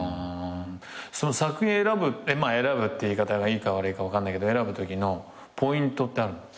作品を選ぶ選ぶっていう言い方がいいか悪いか分かんないけど選ぶときのポイントってあるの？